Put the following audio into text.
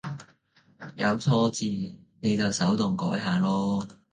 有錯字你就手動改下囉